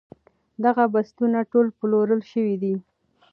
دغه بستونه ټول پلورل شوي دي.